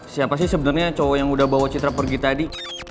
siapa sih sebenarnya cowok yang udah bawa citra pergi tadi